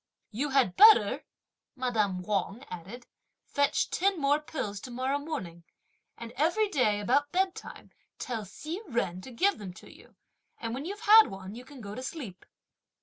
"You had better," madame Wang added, "fetch ten more pills tomorrow morning; and every day about bedtime tell Hsi Jen to give them to you; and when you've had one you can go to sleep!"